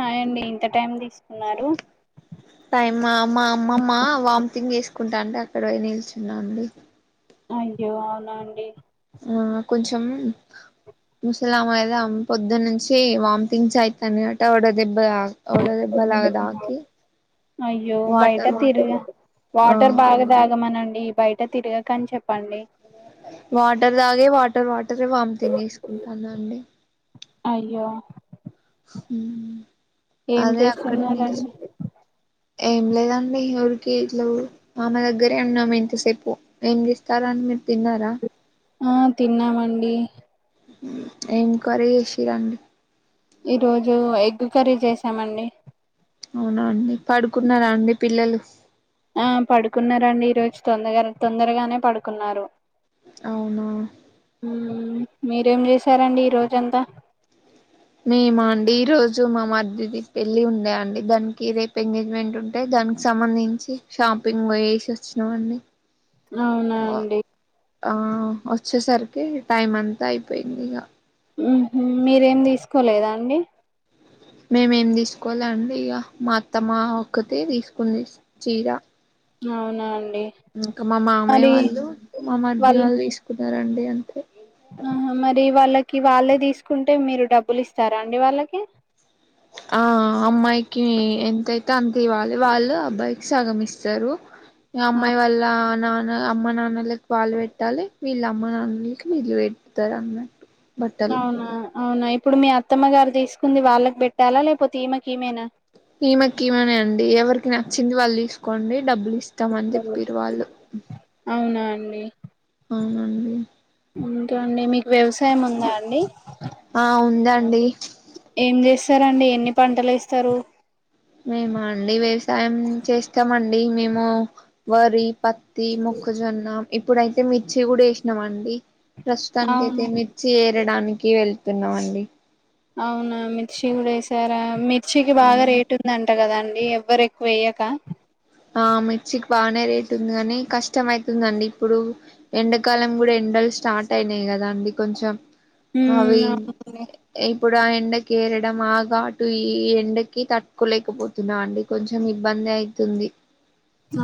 Hi అండి ఇంతా time కి టైమా మా అమ్మమ్మ వామిటింగ్ చేస్ కుంటా ఉంటే అక్కడ పోయి నిల్చున్నాండి అయ్యో అవునా అండి ఆ కొంచెం ముసలామా పొద్దు నుంచి వామ్థింగ్స్ అయితనయట వడ దెబ్ అయ్యో బయట వాటర్ వా తిరిగ ఆ వాటర్ బాగా తాగమనండి బయట తిరగకన్ చెప్పండి [unintelligible] తనే వామ్టింగ్ చేసుకుంటాంది అండి అయ్యో హు ఏం అదే అక్కడ చేస్తున్నారండి నిల్చి ఏం లేదండి ఎవరికి ఇట్ల మామ దగ్గరే ఉన్నాము ఇంతసేపు ఏం చేస్తారు అని మీరు తిన్నారా ఆ తిన్నామండి ఏం కర్రీ చేశిరండి ఈ రోజు ఎగ్ కర్రీ చేసామండి అవునాండి పడుకున్నారా అండి పిల్లలు ఆ పడుకున్నారండి ఈరోజ్ తొందర్గా తొందరగానే పడుకున్నారు అవునా మ్మ్, మీరేం చేసారండి ఈ రోజంతా మేమా అండి ఈ రోజు మా మర్దిది పెళ్ళి ఉండే అండి దానికి ఏదైపు ఎంగేజ్మెంట్ ఉంటేయ దానికి సంబంధించి షాపింగ్ వేసి వచ్చినం అండి అవునా అండి ఆ ఒచ్చేసరికి టైమ్ అంతా అయిపోయింది ఇగా మ్ మ్ మీరేం తీసుకోలేదా అండి మేమేమి తీసుకోలండి ఇగ మా అత్తమ్మ ఒకతే తీసుకుంది చీర అవునా ఇంకా మా మామయ్య మరి వాళ్ళు మా మర్ది వాళ్ళు తీసుకున్నరండి అంతే ఆహా మరి వాళ్ళకి కి వాళ్ళే తీసుకుంటే మీరు డబ్బులు ఇస్తారా అండి వాళ్ళకి ఆ అమ్మాయికి ఎంతయితే అంత ఇవ్వాలి వాళ్ళు అబ్బాయికి సగమ్ ఇస్తరూ అమ్మాయ్ వాల్లా నాన్న అమ్మ నాన్నకి వాళ్ళ వెట్టాలి వీళ్ళ అమ్మ నాన్నకి వీళ్ళు పెడతర్ అన్నట్టు బట్టలు అవునా అవునా ఇప్పుడు మీ అత్తమ్మ గారు తీసుకుంది వాళ్ళకు పెట్టాలా లేకపోతె ఈమెక్ ఈమేనా ఈమెక్ ఈమనే అండి ఎవరికి నచ్చింది వాళ్ళ్ తీసుకుంటారు అండి డబ్బులు ఇస్తామ్ అని చెప్పిరు వాళ్ళు అవునా అండి ఔనండి కే అండి మీక్ వ్యవసాయం ఉందా అండి ఆ ఉందండి ఏం చేస్తారండి ఎన్ని పంటల్ ఏస్తారు మేమా ది మేము వరి పత్ తీ మొక్కజొన్న ఇప్పుడైతే మిర్చి కూడా వేసినామ అండి ప్రస్తుతానికి అయితే అవును మిర్చి డానికి వెళ్తున్నామ అండి అవునా మీ శివుడు వేశారా మిర్చికి బాగా అవునా రేటు ఉంది అంట కదండి ఎవ్వరు ఎక్కువ వెయ్యక ఆ మిర్చికి బాగానే రేట్ ఉంది కానీ కష్టమ అవుతుందండి ఇప్పుడు ఎండాకాలం కూడా ఎండలు స్టార్ట్ అయినాయి కదా అండి కొంచెం ఉమ్ అవి అవునండి ఇప్పుడు ఆ ఎండ కేరడం ఆ ఘటు ఈ ఎండకి తట్టుకోలేకపోతున్నా అండి కొంచెం ఇబ్బంది అవుతుంది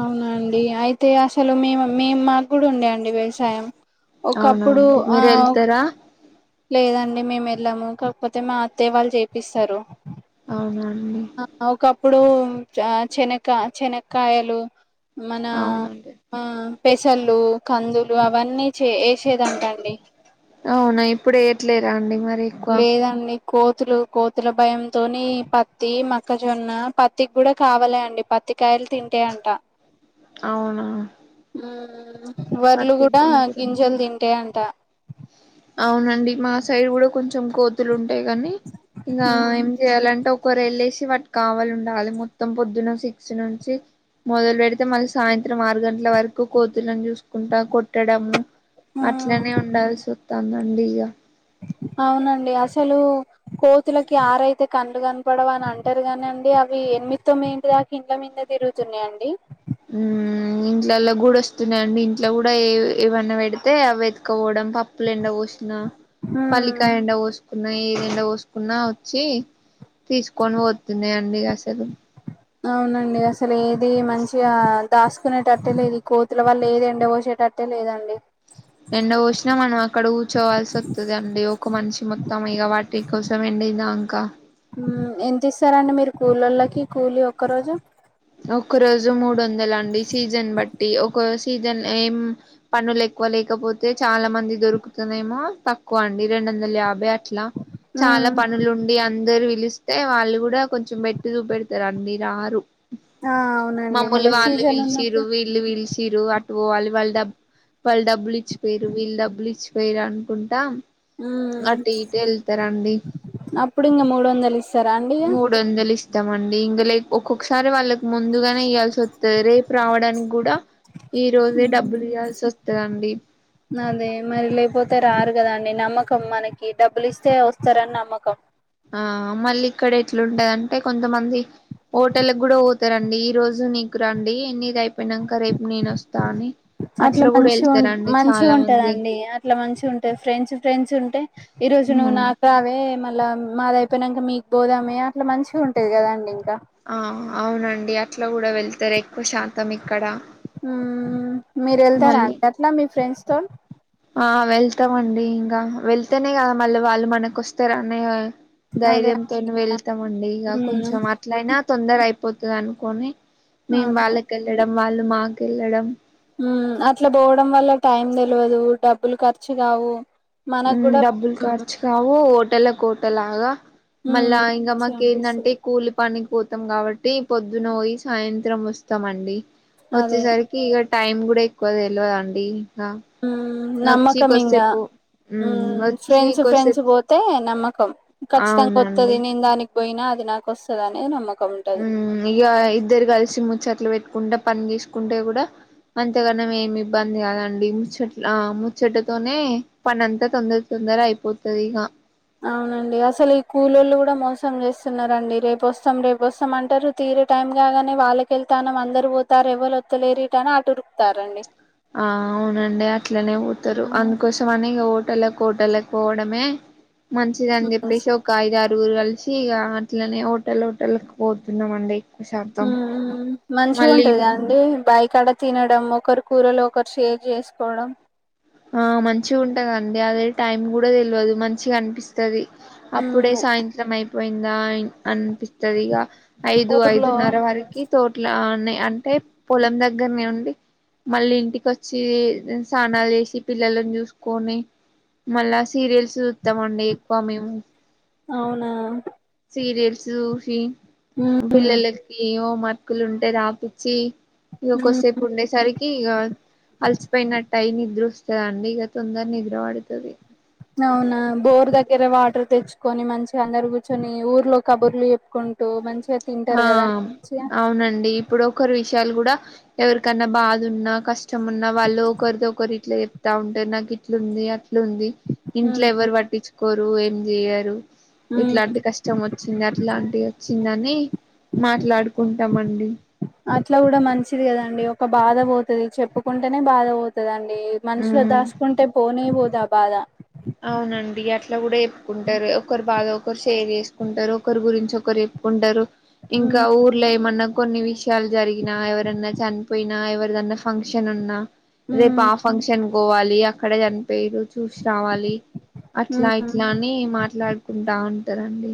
అవునండి అయితే అసలు మేము మేము మాకు కూడా ఉండే అండి వ్యవసాయం ఒకప్పుడు అవునండి ఆ మీరు వెళ్తారా లేదండి మేము వెళ్ళాము ఒక కపోతే మా అత్తయ్య వాళ్ళు చేపిస్తారు అవునా అండి ఆ ఒకప్పుడు చెనకా చెనక కాయలు మన అవునండి పెసళలు కందులు అవన్నీ చే వేసేదింటాండి అవునా ఇప్పుడు ఏయట్లేరా అండి మరి ఎక్కువ లేదండి కోతులు కోతుల భయంతోని పత్తి మక్కజొన్న పత్తికి కూడా కావాలి అండి పత్తికాయలు తింటే అంట అవునా ఆ వర్లు పత్తి కూడా గుంజుడు గింజలు తిం అట్టే అంత అవునండి మా సైడ్ కూడా కొంచెం కోతులు ఉంటాయి గానీ ఇంగా ఏం చేయ్యాలంటే ఒకరు వెళ్ళేసి వాటి కావాల ఉండాలి మొత్తం పొద్దున సిక్స్ నుంచి మొదలు పెడితే మళ్ళీ సాయంత్రం ఆరు గంటల వరకు కో తులను చూసుకుంటా కొట్టడము ఆ అట్లనే ఆ ఉండాల్సి తనండి ఇగ అవునండి అసలు కోతులకి ఆరైతే కళ్ళు కనపడవు అని అంటారు కానిండి అవి ఎనిమిత్తం ఏంటి దాకు ఇండ్ల మీదే తిరుగుతున్నాయండి హ్మ్ ఇంట్లలో గూడ వస్తున్నాయండి ఇంట్లో కూడా ఎ ఏవన్న పెడితే అవి ఎతకపోవడం ప పప్పులు ఎండ పోసిన హ్మ్ పల్లికాయ ఎండ పోస్ కున్నా ఏది ఎండ పోసుకున్నా వచ్చి తీసుకొని పోతున్నాయండి అసలు అవునండి అసలు ఎ ది మంచిగా దాసుకునేటట్టే లేదు కోతుల వాళ్ళ లేదండి పోసేటట్టే లేదండి ఎండ పోసినా మనం అక్కడ తమ ఇగ బట్టి కోసం ఎండినంకా హ్మ్ ఎంత ఇస్తారండి మీరు కూల్లోలకి కూలి ఒక్క రోజు ఒక్క రోజు మూడు వందల అండి సీజన్ బట్టి ఒక సీజన్ ఏం పనులు ఎక్కువ లేకపోతే చాలా మంది దొరుకుతేనేమో తక్కువ అండి రెండు వందల యాభై అ అట్లా చాలా హ్మ్ పనులుండి అందరు పిలు స్తే వాళ్ళు కూడా కొంచెం మేట్టు చుపెడతారు అన్ని రారు ఆ అవునండి మమ్మూలు మళ్ళీ వాళ్ళు సీజన్ పిలిచిరు ఉన్నప్పుడు వీళ్ళు పీలిచి తీరు అటు పోవాలి వాళ్ళు డ డబ్బు వాళ్ళ డబ్బులు ఇచ్చిపోయరు వీళ్ళు డబ్బులు ఇచ్చిపోయిరు అనుకుంటా హ్మ్ అటు ఇటు వెళ్తారండి అప్పుడు ఇంకా మూడు వందలు ఇస్తారా అండి ఇగ ఇత్తా మండి ఇంగ లేక్ ఒక్కొక్క సరే వాళ్లు ముందుగానే ఇవాల్సి వస్తది రేపు రావడానికి కూడా ఈ రోజే డబ్బులు హ్మ్ ఇవాల్సి వస్తదండి అదే మరి లేకపోతే రారు కదండి నమ్మకం మనకి డబ్బులు ఇస్తే వస్తారని నమ్మకం ఆ మళ్ళీ ఇక్కడ ఎట్లుంటదంటే కొంతమంది హోటల్కి కూడా పోతారండి ఈ రోజు నీకు రండి నీది అయి అట్లా కూడా మంచిగా వెళ్తారండి మంచి చాలా మంది ఉంటదండి అట్లా మంచి ఉంటాది ఫ్రెండ్స్ ఫ్రెండ్స్ ఉంటే ఈ రోజు నువ్వు ఉమ్ నాకు రావే మ అట్ల మాది అయిపోయినంక మీకు పోదామే అట్లా మంచిగా ఉంటాది కదా అండి ఇంకా ఆ అవునండి అట్లా కూడా వెళ్తారు ఎక్కువ శాతం ఇక్కడ హ్మ్ మీరు ఏళ్తారా మళ్ళీ అండి అట్ల మీ ఫ్రెండ్స్ తోన్ ఆ వెళ్తామండి ఇంగా వెళ్తేనే కదా మళ్ళీ వాళ్ళు మనకొస్తారు అనే అదే ధైర్యంతోనే వెళ్తామండి ఇగ మ్మ్ కొంచెం అట్లయినా తొందర అయి పోతది అనుకోని మేం అదే వాళ్ళ కెల్లడం వాళ్ళు మా కెళ్ళడం ఉమ్ అట్ల పోవడం వల్ల టైం తెల్వదు డబ్బులు ఖర్చు కావు మనకు ఉమ్ కూడా డబ్బులు మ్మ్ ఖర్చు కావు హోటలకు హోటలాగా మ్మ్ మళ్ళా ఇంకా మంచిగా మాకు ఏంటంటే అనిపిస్తది కూలి పనికి పోత్ తమ్ కాబట్టి పొద్దున పోయి సాయంత్రం వస్తామండి వచ్చే అదే సరికి ఇగ టైమ్ కూడా ఎక్కువ తెల్వదండి ఉమ్మ్ నమ్మకం ఇంగా ఉమ్ ఉమ్మ్ వచ్చి ఫ్రెండ్స్ ఫ్రెండ్స్ కొద్దిసేపు పోతే హే నమ్మక్ కం. ఖచ్చితంగా అవునండి ఒత్తది నేను దానిక్ పోయినా అది నాకొస్తదనే నమ్మక్ ఉమ్ ఇగ ఇద్దరు కల్సి ముచ్చట్లు పెట్ కుంటే పని చేసుకుంటే కూడా అంతగానం ఏమి ఇబ్బంది కాదండి. ముచ్చట్ ముచ్చటతోనే పనంతా తొందర తొందర అయిపోతది ఇక అవునండి అసలు ఈ కూలోళ్ళు కూడా మోసం చేస్తున్నరండి. రేపుస్తాం రేపుస్తాం అంటరు తీరే టైం కాగానే వాళ్ళక వెళ్తానం అందరు పోతారు ఎవ్వరు ఒత్తలేరిట అని అటు ఉరుకుతారండి. ఆ అవునండి అట్లనే పోతారు అందుకోసం అనే ఇగ పొత్ హోటళ్లకు హోటళ్లులకు పోవడమే మంచిదని మంచి చెప్పేసి ఒక ఐదారు ఊరు కల్సి వచ్చి ఇగ అట్లనే హోటల్ హోటల్లకు పోతున్నామండి ఎక్కువ శాతం ఉమ్మ్ ఉమ్మ్ మంచిగా మళ్ళీ ఉంటది కదండీ బావికాడ తినడం ఒకరు కూరలో ఒకరు షేర్ చేసుకోవడం ఆ మంచిగుంటదండి. అదే టైం కూడ తెల్వదు మంచిగా అనిపిస్తది అప్పుడే మ్మ్ సాయంత్రం అయిపోయి నైన్ అన్పిస్తది ఇగ ఐదు ఊర్లో ఐదున్నర వరకి తోట్ల ఆ నే అంటే పొలం దగ్గరనే ఉండి మళ్ళీ ఇంటికి వచ్చి స్నానాలు చేసి ఈ పిల్లలను చూసుకొని మళ్ళా సీరియల్స్ చూత్తము అండి ఎక్కువ మేము అవునా సీరియల్స్ చూషి మ్మ్ పిల్లలకి ఓం బుక్కులు ఉంటే రాపిచ్చి ఇగ మ్మ్ కోసేపు ఉండే సరికి ఇగ అలసిపోయినట్టయ్ నిద్ర వస్తుందండి ఇక తొందరనే నిద్ర పడతది. అవున బోర్ దగ్గర వాటర్ తెచ్చుకొని మంచిగా అందరు కూర్చొని ఊర్లో కబుర్లు చెప్పుకుంటూ మంచి ఆ అవునండి ఇప్పుడు ఒకరు ఇష్ త్యల్ గూడా ఎవరికన్నా బాధున్నా కష్ చమున్నా వాళ్లు ఒకర్దొకరు ఇట్ల ఎ తా ఉంటే నాక్ ఇట్లుందీ అట్ లుంది ఇంట్లో ఉమ్ ఎవరు వట్టిచ్ కొరు ఏం జేయరు ఉమ్ ఇట్లాంటి కష్టం వచ్చింది అట్లాంటి ఒచ్చిందని మాట్లాడుకుంటం అండి అట్లా గూడా మంచిది గదండి ఒక బాధ పోతది, చెప్పుకుంటేనే బాధ వోతది అన్. మనుసులో ఉమ్ దాసుకుంటే పోనే బోదు గా బాధ అవునండి అట్ ట్ల గూడా ఏ ఉంటరు ఒకరు బాధ ఒకరు షేర్ చేసుకుంటరు, ఒకరు గురించి ఒకరు చెప్పుకుంటరు. ఇంక ఉమ్ ఊర్లో ఏమన్న కొన్ని విషయాలు జరిగినా, ఎవరన్నా చనిపోయినా, ఎవరిదన్నా ఫంక్షన్ ఉన్నా. రేపు ఉమ్ ఆ ఫంక్షన్ కోవాలి అ కడ చనిపోయిరు చూసి రా కీ అట్లా ఉమ్ ఇట్లా అని మాట్లాడుకుంటా ఉన్ తరండి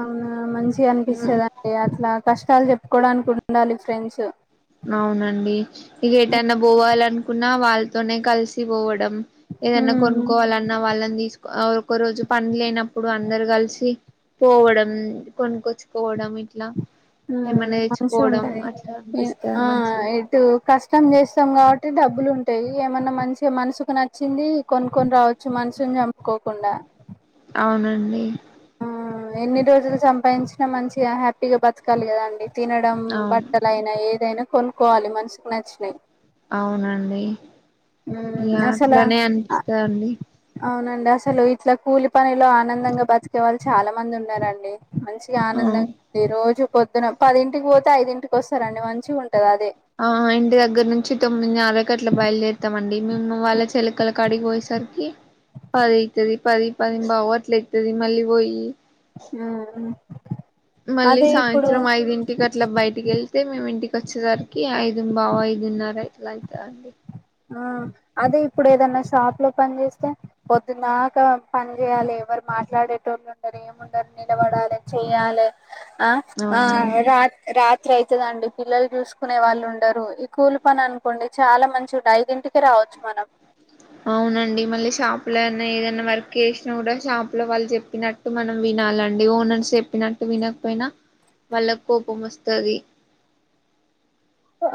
అవునా మంచి చి అనిపిస్తదండి అట్లా కష్టాలు జ కోడానికి ఉండాలి ఫ్రెండ్స్ అవునండి ఇగ ఎటన్నా బోవాలనుకున్నా వాళ్ తొనే కల్సి వోవడ్ డం ఏదన్నా ఉమ్ కొనుక్కోవాలన్న వాళ్ళని తీసుకో ఒక రోజు పనీ లేనప్పుడు అందరు కలిసి పోవడం కొనుకొచ్చుకోవడం ఇట్లా ఊమ్ ఏమైనా మంచిగ తెచ్చుకోవడం ఉంటది అట్లా ఎ అనిపిస్తది ఆ మంచిగా ఉంటది ఎటూ కష్టం జె ఏస్సం కాబట్టి డబ్బులు ఉంటయి. ఏమన్నా మంచి మనసుకు నచ్చింది కొనుకొని రావచ్చు, మనసుని చంపుకోకుండా. అవునండి ఆ ఎన్ని రోజులు సంపాయించినా, మంచిగా, హ్యాపీగా, బతకాలి గదా అండి. తినడం అవును బట్టలైన ఏ దైనా కొనుక్కోవాలి మనషికి నచ్చినయి అవునండి ఇగ ఉమ్ అసలు అట్లనే అనిపిస్తాదండి అవునండి అసలు ఇట్లా కూలి పనిలో ఆనందంగా బతికే వాళ్ళు చాలా మంది ఉన్నారండి మంచిగా ఆ ఆనందంగా రోజు పొద్దున పదింటికి పోతే ఐదింటికి వస్తారండి మంచిగా ఉం ఆ ఇంటి దగ్గర నుంచి తొమ్మిది నరక్ కట్లా బయలుదేరుతామండి, మేము వాళ్ళ చెలుకల కాడికి పోయేసరికి పది అయితాది పది పది బావు అట్ల అయితది మళ్ళీ పోయి ఉమ్ ఉ మళ్ళీ సాయంత్రం ఐదింటికి అట్లా బయటికి వెళ్తే మేము ఇంటికి వచ్చేసరికి ఐదు బావ్ ఐదున్నర ఇట్లా అయితది అండి ఆ అదే ఇప్పుడు ఏదన్నా షాప్ లా పని చేస్తే, పొద్దున్దాక పని చేయాలి ఎవరు మాట్లాడేటోళ్ళు ఉండరు ఏముండరు నిలబడాలే, చెయ్యాలే, ఆ ఆ అవునండి రా రా త్రీ అయితదండి పిల్లలు చూసుకునే వాళ్ళు ఉండరు ఈ కూలి పని అనుకోండి చాలా మంచి ఐదింటికే రావచ్చు మనం అవునండి, మళ్ళీ షాప్ లాన్నా ఏదైనా వర్క్ చేసినా కూడా షాప్ లా వాళ్ళు చెప్పినట్టు మనం వినాలండి ఓనర్స్ చెప్పినట్టు వినకపోయినా వాళ్ళకు కోపం వస్తది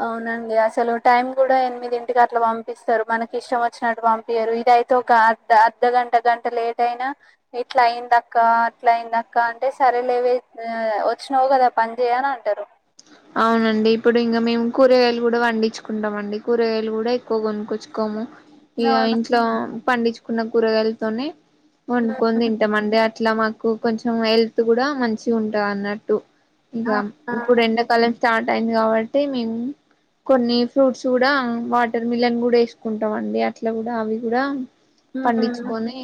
అవునండి అసలు టైం కూడా ఎనిమిదింటికి అట్లా పంపిస్తారు, మనకి ఇష్టం వచ్చినట్టు పంపియ్యరు, ఇదైతే ఒక అర్ధ అర్ధ గంట గంట లేట్ అయినా ఇట్లా అయిందక్క అట్లా అయిందక్క అంటే, సరేలేవేవచ్చినావు కదా పని చేయ్యి అని అంటారు. అవునండి ఇప్పుడు ఇంగ మేము కూరగాయలు కూడా పండించుకుంటాము అండి కూరగాయలు కూడా ఎక్కువ కొనుక్కొచ్చుకోము, ఇగా అవును ఇంట్లో పండిచ్చుకున్న కూరగాయలతోనే ఉమ్, వండుకొని తింటమండి అ ఇట్లా మాకు కొంచెం హెల్త్ కూడా మంచి ఉంటాదన్నట్టు ఇగ ఆ ఆ ఇప్పుడు ఎండ స్టార్ట్ అయింది కాబట్టి మేము కొన్ని ఫ్రూట్స్ కూడా వాటర్ మిలన్ కూడా వేసుకుంటామండి అట్లా కూడా అవి కూడా ఉమ్ పండించుకొని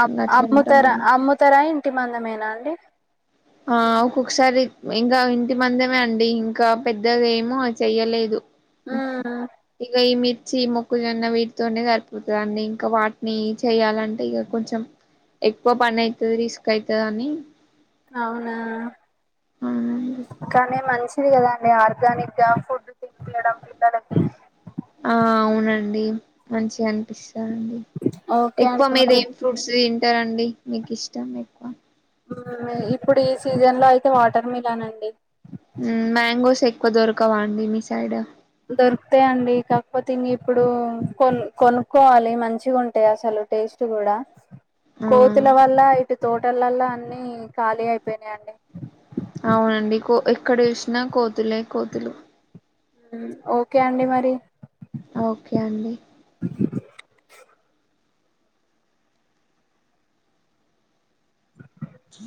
అ అట్లా అమ్ముతర ఉంటామండి అమ్ముతర ఎ టి మందమేనా అండి ఆ ఒక్కొక్కసారి ఇంకా ఇంటి మందమే అండి ఇంకా పెద్ద ఏము చెయ్యలేదు ఉమ్ ఇగ ఈ మి ర్చీ మొక్కజోన్న వీటితోనే సరిపోతదండి, ఇంకా వాటిని చెయాలంటే ఇగ కొంచెం ఎక్కువ పని అయితది రిస్క్ అయితదని అవునా, అవునండి కానీ మంచి ది కదాండి ఆర్గానిక్ గా ఫుడ్ తినిపియ్యడం పిల్లలకి ఆ అవునండి మంచిగా అనిపిస్తాదండి, ఓకే ఎక్కువ అండి మీద మరి ఏం ఫ్రూట్స్ టారండి, మీకు ఇష్టం ఎక్కువ ఊ ఇప్పుడు ఈ సీజన్ లో అయితే వాటర్ మిలాన్ అండి ఉమ్ మ్యాంగోస్ ఎక్కువ దొరకవా అండి మీ సైడ్? దొరికుతాయి అండి కాకపోతే ఇంగ ఇప్పుడు కొన్ కొనుక్కోవాలి మంచిగా ఉంటాయి అసలు టేస్ట్ కూడా కోతుల వల్ల తోటలల్లా అన్ని ఖాళీ అయిపోయినాయి అండి అవునండి కో ఎక్కడ చూసినా కోతులే కోతులు ఓకే అండి మరి ఓకే అండి త బ చి